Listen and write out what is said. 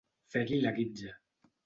Fer-li la guitza.